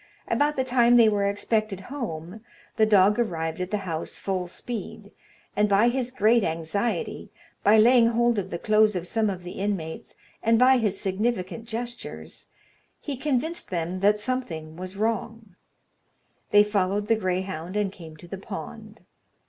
About the time they were expected home, the dog arrived at the house full speed, and by his great anxiety, by laying hold of the clothes of some of the inmates, and by his significant gestures, he convinced them that something was wrong. They followed the greyhound, and came to the pond.